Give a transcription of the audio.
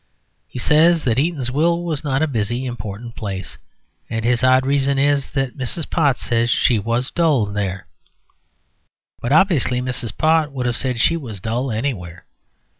He says that Eatanswill was not a busy, important place. And his odd reason is that Mrs. Pott said she was dull there. But obviously Mrs. Pott would have said she was dull anywhere.